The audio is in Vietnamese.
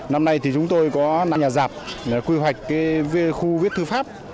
năm nay thì chúng tôi có nhà giạc quy hoạch khu viết thư pháp